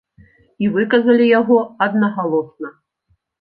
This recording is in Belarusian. І выказалі яго аднагалосна.